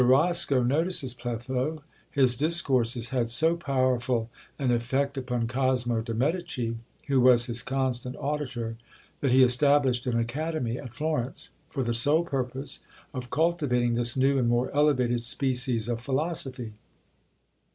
Roscoe notices Pletho: "His discourses had so powerful an effect upon Cosmo de' Medici, who was his constant auditor, that he established an academy at Florence, for the sole purpose of cultivating this new and more elevated species of philosophy."